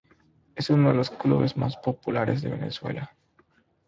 Es uno de los clubes más populares de Venezuela.